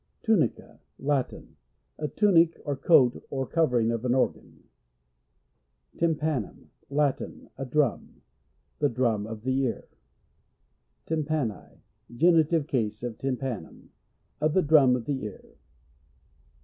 Tunica. — Latin. A tunic; a coat or covering of an organ. Tympanum. — Latin. A drum. The drum of the ear. Tympani. — (Genitive case of tympa num.) Of the drum of the ear.